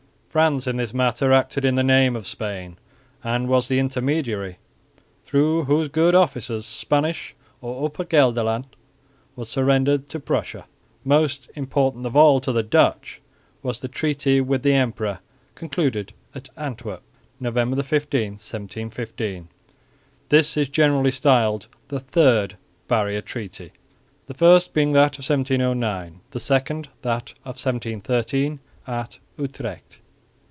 France in this matter acted in the name of Spain, and was the intermediary through whose good offices Spanish or Upper Gelderland was surrendered to Prussia. Most important of all to the Dutch was the treaty with the emperor concluded at Antwerp, November 15, 1715. This is generally styled the Third Barrier Treaty, the First being that of 1709, the Second that of 1713 at Utrecht.